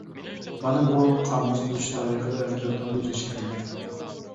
مانا بۇ، قامۇس تۈزۈش تارىخىدا ھەقىقەتەنمۇ ئۆزگىچىلىككە ئىگە.